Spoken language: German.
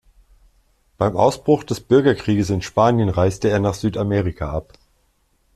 Beim Ausbruch des Bürgerkrieges in Spanien reiste er nach Südamerika ab.